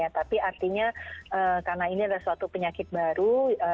tapi artinya karena ini adalah suatu penyakit baru